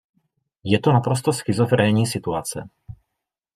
Je to naprosto schizofrenní situace.